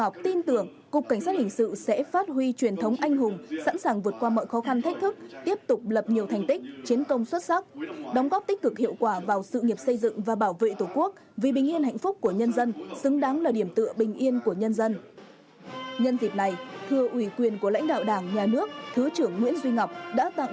cục cảnh sát hình sự sẽ phát huy truyền thống anh hùng sẵn sàng vượt qua mọi khó khăn thách thức tiếp tục lập nhiều thành tích chiến công xuất sắc đóng góp tích cực hiệu quả vào sự nghiệp xây dựng và bảo vệ tổ quốc vì bình yên hạnh phúc của nhân dân xứng đáng là điểm tựa bình yên của nhân dân